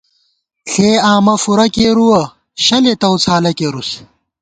ݪے آمہ فُورہ کېرُوَہ ، شَلے تَؤڅھالہ کېرُوس